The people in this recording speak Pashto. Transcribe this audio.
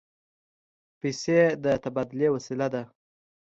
پیسې د تبادلې وسیله ده.